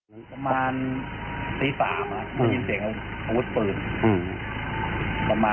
อืม